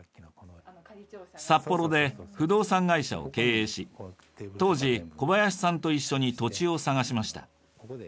札幌で不動産会社を経営し当時小林さんと一緒に土地を探しました。